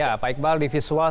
ya pak iqbal di visual